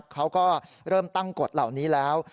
เขาก็เริ่มตั้งกฎเหล่านี้แล้ว